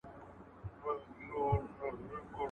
• ډاکټر هغه دئ چي پر ورغلي وي.